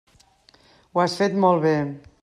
Ho has fet molt bé.